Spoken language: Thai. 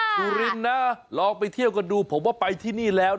สุรินนะลองไปเที่ยวกันดูผมว่าไปที่นี่แล้ว